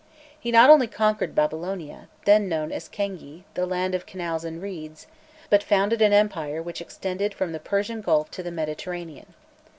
He not only conquered Babylonia, then known as Kengi, "the land of canals and reeds," but founded an empire which extended from the Persian Gulf to the Mediterranean.